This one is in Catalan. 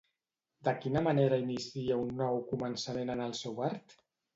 De quina manera inicia un nou començament en el seu art?